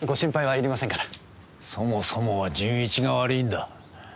そもそもは純一が悪いんだ。